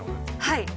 はい！